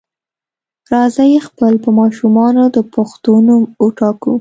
راځئ خپل په ماشومانو د پښتو نوم وټاکو.